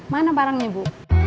mana barangnya bu